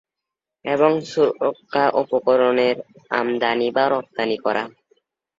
এবং সুরক্ষা উপকরণের আমদানি বা রপ্তানি করা।